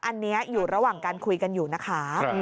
อันนี้อยู่ระหว่างการคุยกันอยู่นะคะ